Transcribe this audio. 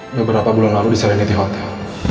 beberapa bulan lalu di serenity hotel